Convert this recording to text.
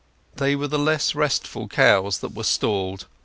They were the less restful cows that were stalled.